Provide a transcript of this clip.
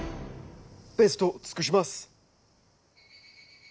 ベストを尽くします。